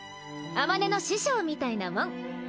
あまねの師匠みたいなもん。